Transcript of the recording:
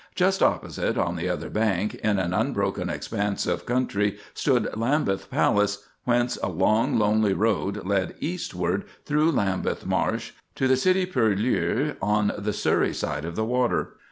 Just opposite, on the other bank, in an unbroken expanse of country, stood Lambeth Palace, whence a long, lonely road led eastward, through Lambeth Marsh, to the city purlieus on the Surrey side of the water.